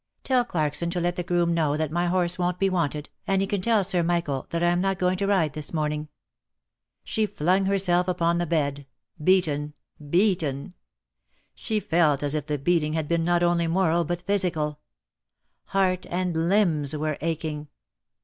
"Tell Clarkson to let the groom know that my horse won't be wanted, and he can tell Sir Michael that I am not going to ride this morning." She flung herself upon the bed, beaten, beaten! She felt as if the beating had been not only moral but physical. Heart and limbs were aching.